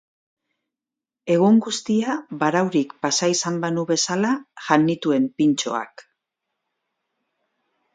Egun guztia baraurik pasa izan banu bezala jan nituen pintxoak.